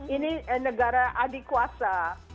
ini negara adik kuasa